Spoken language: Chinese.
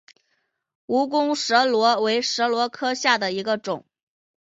蜈蚣蛇螺为蛇螺科下的一个种。